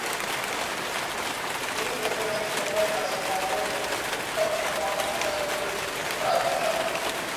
He is the current Chairman of the Khyber Pakhtunkhwa Services Tribunal.